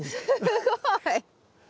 すごい。